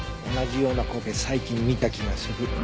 同じような光景最近見た気がする。